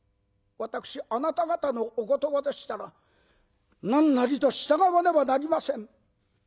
私あなた方のお言葉でしたら何なりと従わねばなりません。